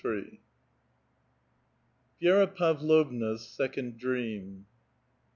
VXfeRA PAVLOVNA'S SECOND DREAM.